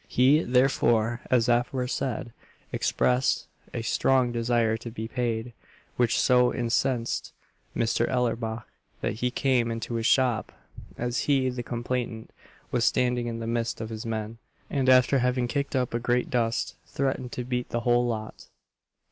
He, therefore, as aforesaid, expressed a strong desire to be paid; which so incensed Mr. Ellerbach, that he came into his shop, as he, the complainant, was standing in the midst of his men, and, after having kicked up a great dust, threatened to beat the whole lot.